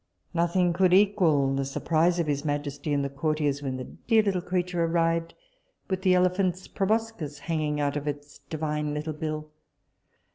Nothing could equal the surprise of his majesty and the courtiers, when the dear little creature arrived with the elephant's proboscis hanging out of its divine little bill.